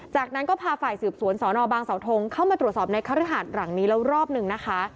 จากนั้นก็พาฝ่ายสืบสวนสอนอบางสาวทงเข้ามาตรวจสอบในคฤหาสหลังนี้แล้วรอบหนึ่งนะคะ